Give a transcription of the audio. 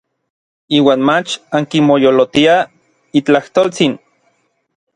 Iuan mach ankimoyolotiaj n itlajtoltsin.